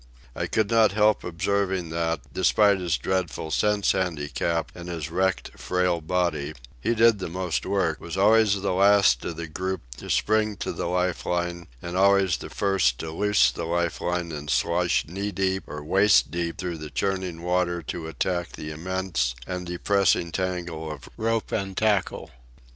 I could not help observing that, despite his dreadful sense handicap and his wrecked, frail body, he did the most work, was always the last of the group to spring to the life line and always the first to loose the life line and slosh knee deep or waist deep through the churning water to attack the immense and depressing tangle of rope and tackle.